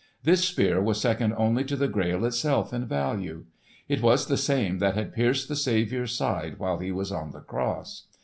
This Spear was second only to the Grail itself in value. It was the same that had pierced the Saviour's side while He was on the cross.